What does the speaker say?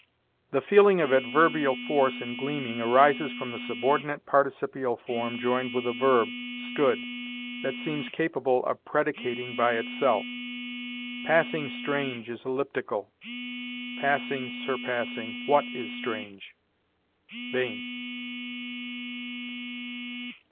The feeling of adverbial force in 'gleaming' arises from the subordinate participial form joined with a verb, 'stood,' that seems capable of predicating by itself. 'Passing strange' is elliptical: 'passing (surpassing) what is strange.'" Bain.